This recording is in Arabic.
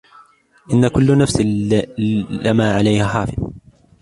إِنْ كُلُّ نَفْسٍ لَمَّا عَلَيْهَا حَافِظٌ